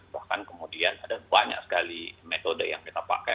bahkan kemudian ada banyak sekali metode yang kita pakai